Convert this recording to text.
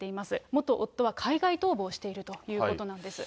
元夫は海外逃亡しているということなんです。